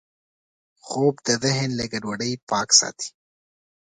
خوب د ذهن له ګډوډۍ پاک ساتي